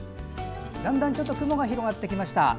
だんだん雲が広がってきました。